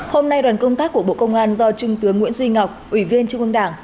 hôm nay đoàn công tác của bộ công an do trung tướng nguyễn duy ngọc ủy viên trung ương đảng